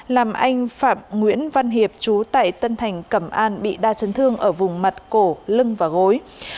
làm anh phạm nguyễn văn hiệp chú tại tân thành cẩm an bị đa chấn thương ở vùng mặt cổ lưng và gối